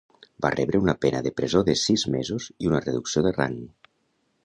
Va rebre una pena de presó de sis mesos i una reducció de rang.